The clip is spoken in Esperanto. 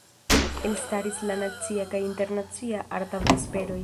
Elstaris la Nacia kaj Internacia Arta Vesperoj.